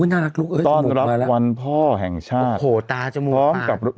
อุ้ยน่ารักลูกต้อนรับวันพ่อแห่งชาติโอ้โหตาจมูกอาหารพร้อมกับนอด